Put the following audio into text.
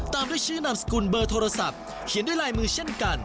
ตามด้วยชื่อนามสกุลเบอร์โทรศัพท์เขียนด้วยลายมือเช่นกัน